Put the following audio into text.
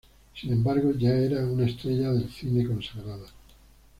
Sin embargo, ya era una estrella del cine consagrada.